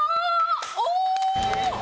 お！